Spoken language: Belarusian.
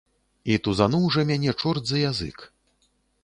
І тузануў жа мяне чорт за язык.